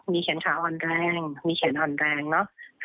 มีเขียนขาวอันแรงมีเขียนอันแรงเนอะ